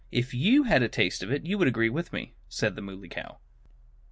"If you had had a taste of it you would agree with me," said the Muley Cow.